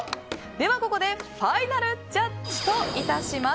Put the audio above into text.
ここでファイナルジャッジといたします。